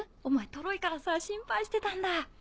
お前トロいから心配してたんだ。